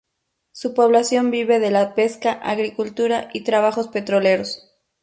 Su población vive de la pesca, agricultura y trabajos petroleros.